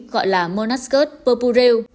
gọi là monascote purpurel